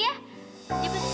ya terima kasih dong